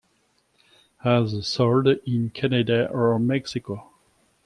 As sold in Canada or Mexico.